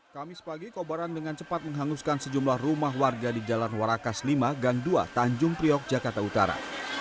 kamis pagi kobaran dengan cepat menghanguskan sejumlah rumah warga di jalan warakas lima gang dua tanjung priok jakarta utara